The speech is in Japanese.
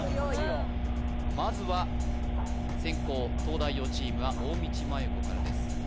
まずは先攻東大王チームは大道麻優子からです